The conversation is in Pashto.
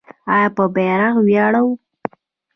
آیا په بیرغ ویاړو؟